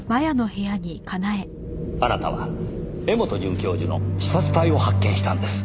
あなたは柄本准教授の刺殺体を発見したんです。